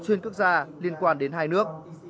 xuyên quốc gia liên quan đến hai nước